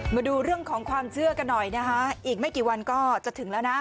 มาดูเรื่องของความเชื่อกันหน่อยนะคะอีกไม่กี่วันก็จะถึงแล้วนะ